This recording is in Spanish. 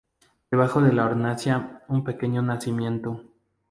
Debajo de la hornacina, un pequeño nacimiento.